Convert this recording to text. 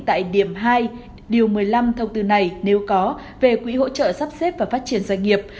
tại điểm hai điều một mươi năm thông tư này nếu có về quỹ hỗ trợ sắp xếp và phát triển doanh nghiệp